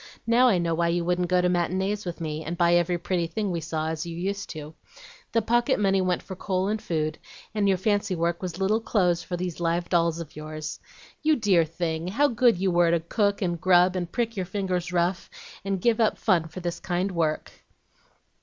Now I know why you wouldn't go to matinees with me, and buy every pretty thing we saw as you used to. The pocket money went for coal and food, and your fancy work was little clothes for these live dolls of yours. You dear thing! how good you were to cook, and grub, and prick your fingers rough, and give up fun, for this kind work!"